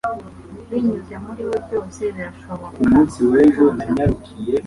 binyuze muri We byose birashobokaagtuza